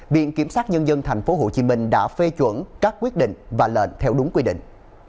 viện kiểm sát nhân dân tp hcm đã phê chuẩn các quyết định và lệnh theo đúng quy định